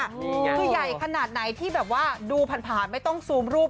คือใหญ่ขนาดไหนที่แบบว่าดูผ่านไม่ต้องซูมรูป